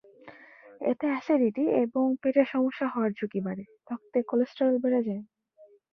এতে অ্যাসিডিটি এবং পেটের সমস্যা হওয়ার ঝুঁকি বাড়ে, রক্তে কোলেস্টেরল বেড়ে যায়।